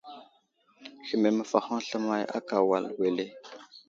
Hehme məfahoŋ slemay akà wal wele ?